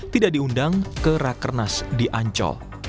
tidak diundang ke rakernas di ancol